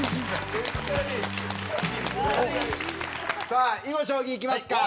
さあ囲碁将棋いきますか？